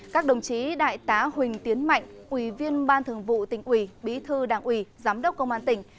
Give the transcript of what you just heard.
các đồng chí đại tá huỳnh tiến mạnh ủy viên ban thường vụ tỉnh ủy bí thư đảng ủy giám đốc công an tỉnh